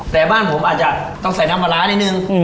แต่บ้านผมอาจจะต้องใส่น้ำปลาร้านิดนึง